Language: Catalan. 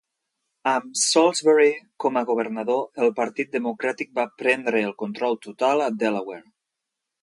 Amb Saulsbury com a governador, el partit democràtic va prendre el control total a Delaware.